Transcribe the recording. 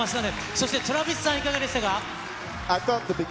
そしてＴｒａｖｉｓさん、いかがでしたか。